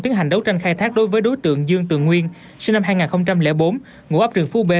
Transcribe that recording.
tiến hành đấu tranh khai thác đối với đối tượng dương tường nguyên sinh năm hai nghìn bốn ngủ ấp trường phú bê